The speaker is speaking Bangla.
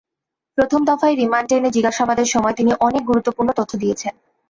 প্রথম দফায় রিমান্ডে এনে জিজ্ঞাসাবাদের সময় তিনি অনেক গুরুত্বপূর্ণ তথ্য দিয়েছেন।